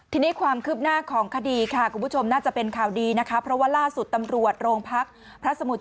ทีนี้ความคืบหน้าของคดีค่ะคุณผู้ชมน่าจะเป็นข่าวดีนะคะเพราะว่าล่าสุดตำรวจโรงพักพระสมุทร